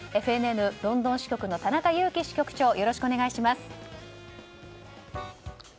ＦＮＮロンドン支局の田中雄気支局長よろしくお願いします。